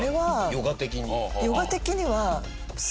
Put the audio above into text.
ヨガ的に。